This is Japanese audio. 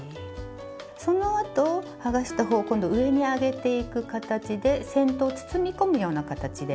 そのあと剥がした方を今度は上に上げていく形で先頭を包み込むような形で。